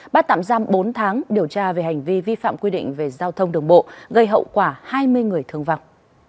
bắt tạm giam bốn tháng điều tra về hành vi vi phạm quy định về giao thông đường bộ gây hậu quả hai mươi người thương vọng